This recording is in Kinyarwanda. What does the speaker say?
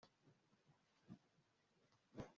wagezeyo isaha ki